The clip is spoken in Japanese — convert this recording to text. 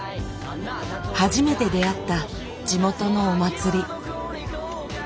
初めて出会った地元のお祭り。